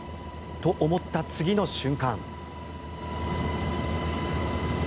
と、思った次の瞬間。